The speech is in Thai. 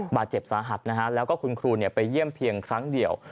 บาดเจ็บสาหัสนะฮะแล้วก็คุณครูไปเยี่ยมเพียงครั้งเดียว